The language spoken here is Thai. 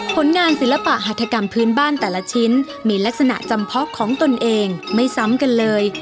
ผลงานศิลปะหัฐกรรมพื้นบ้านแต่ละชิ้นมีลักษณะจำเพาะของตนเองไม่ซ้ำกันเลย